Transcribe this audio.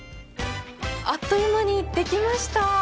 あっという間にできました！